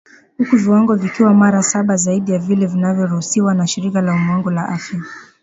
Huku viwango vikiwa mara saba zaidi ya vile vinavyoruhusiwa na Shirika la Ulimwengu la Afya